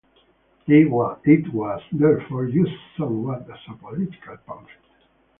It was therefore used somewhat as a political pamphlet.